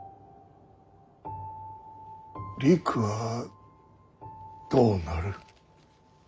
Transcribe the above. りくはどうなる。